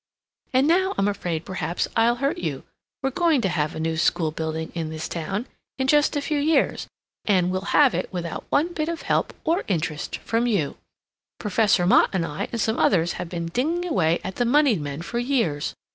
"And now I'm afraid perhaps I'll hurt you. We're going to have a new schoolbuilding in this town in just a few years and we'll have it without one bit of help or interest from you! "Professor Mott and I and some others have been dinging away at the moneyed men for years.